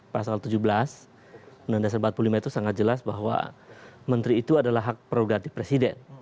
pasal tujuh belas undang undang dasar empat puluh lima itu sangat jelas bahwa menteri itu adalah hak prerogatif presiden